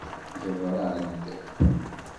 Yeḍra-d.